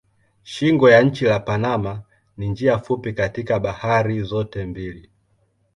Shingo ya nchi la Panama ni njia fupi kati ya bahari zote mbili.